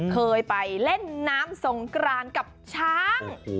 เคยไปเล่นน้ำสงกรานกับช้าง